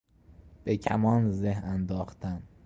به کمان زه انداختن